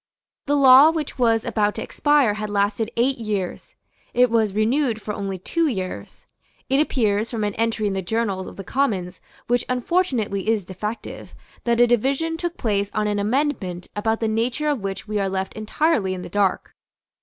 The law which was about to expire had lasted eight years. It was renewed for only two years. It appears, from an entry in the journals of the Commons which unfortunately is defective, that a division took place on an amendment about the nature of which we are left entirely in the dark.